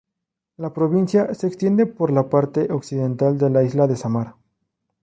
La provincia se extiende por la parte occidental de la Isla de Sámar.